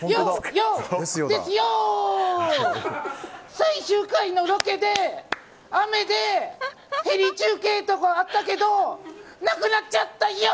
最終回のロケで、雨でヘリ中継とかあったけどなくなっちゃったＹＯ！